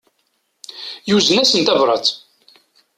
Yuzen-as-n tabrat.